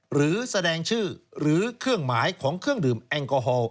หรือแสดงชื่อหรือเครื่องหมายของเครื่องดื่มแอลกอฮอล